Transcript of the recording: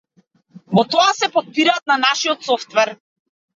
Во тоа се потпираат на нашиот софтвер.